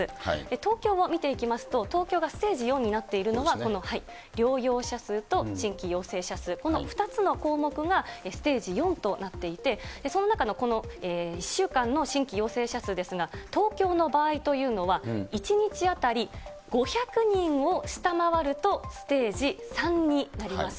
東京を見ていきますと、東京がステージ４になっているのは、この療養者数と新規陽性者数、この２つの項目がステージ４となっていて、その中のこの１週間の新規陽性者数ですが、東京の場合というのは、１日当たり５００人を下回るとステージ３になります。